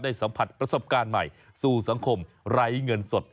สัมผัสประสบการณ์ใหม่สู่สังคมไร้เงินสด